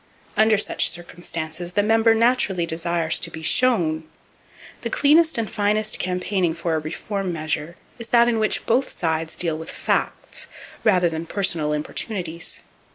Under such circumstances the member naturally desires to be "shown." The cleanest and finest campaigning for a reform measure is that in which both sides deal with facts, rather than with personal importunities.